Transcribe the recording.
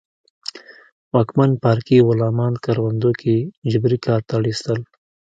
واکمن پاړکي غلامان کروندو کې جبري کار ته اړ اېستل